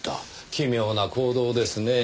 奇妙な行動ですねぇ。